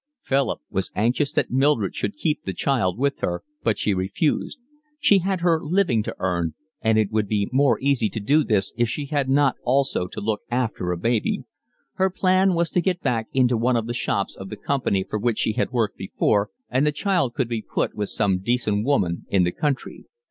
Philip was anxious that Mildred should keep the child with her, but she refused: she had her living to earn, and it would be more easy to do this if she had not also to look after a baby. Her plan was to get back into one of the shops of the company for which she had worked before, and the child could be put with some decent woman in the country.